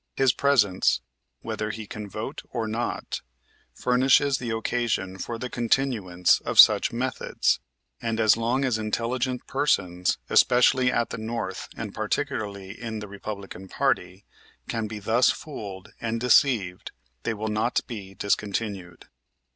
His presence, whether he can vote or not, furnishes the occasion for the continuance of such methods, and, as long as intelligent persons, especially at the North and particularly in the Republican party, can be thus fooled and deceived they will not be discontinued.